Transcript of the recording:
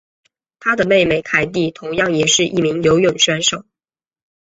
她的妹妹凯蒂同样也是一名游泳选手。